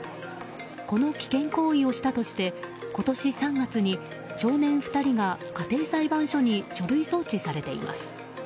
この危険行為をしたとして今年３月に少年２人が家庭裁判所に書類送致されています。